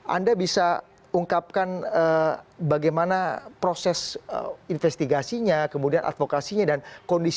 anda bisa ungkapkan bagaimana proses investigasinya kemudian advokasinya dan kondisi rakyatnya ini